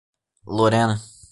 Lorena